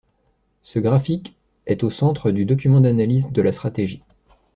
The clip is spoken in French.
Ce graphique est au centre du document d'analyse de la stratégie.